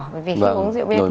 bởi vì khi uống rượu bia